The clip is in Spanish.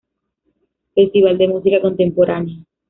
Festival de música contemporánea.